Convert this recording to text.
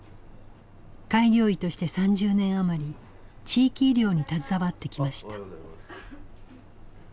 開業医として３０年余り地域医療に携わってきました。